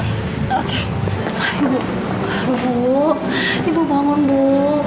ibu ibu bangun bu